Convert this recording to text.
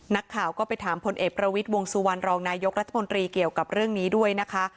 นักข่าวก็ไปถามพลเอกประวิทย์วงสุวรรณรองนายกรัฐมนตรีเกี่ยวกับเรื่องนี้ด้วยนะคะ